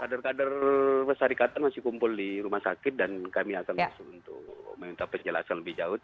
kader kader masyarakat masih kumpul di rumah sakit dan kami akan masuk untuk meminta penjelasan lebih jauh